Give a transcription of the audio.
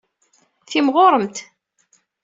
Timɣuremt.